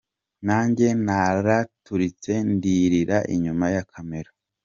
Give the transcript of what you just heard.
Nanjye naraturitse ndirira inyuma ya camera.